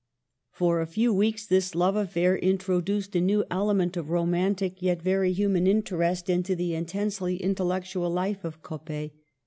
For a few weeks this love affair introduced a new element of romantic, yet very human, interest into the in tensely intellectual life of Coppet.